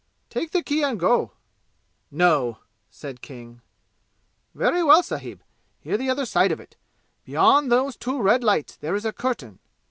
"Take the key and go!" "No!" said King. "Very well, sahib! Hear the other side of it! Beyond those two red lights there is a curtain.